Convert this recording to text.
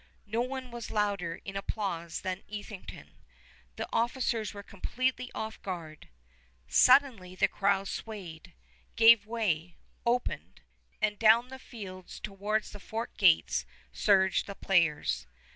No one was louder in applause than Etherington. The officers were completely off guard. Suddenly the crowds swayed, gave way, opened; ... and down the field towards the fort gates surged the players.